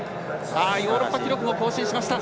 ヨーロッパ記録も更新しました。